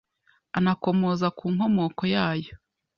anakomoza ku nkomoko yayo.